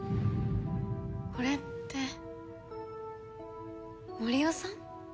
これって森魚さん？